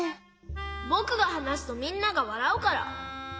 ぼくがはなすとみんながわらうから。